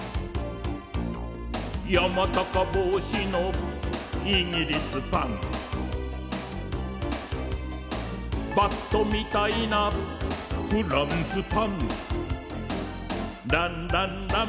「やまたかぼうしのイギリスパン」「バットみたいなフランスパン」「ランランラン」